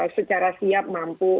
secara siap mampu